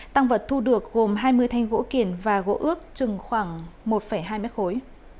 tăng vật thu được gồm hai mươi thanh gỗ kiển và gỗ ước chừng khoảng một hai mét khối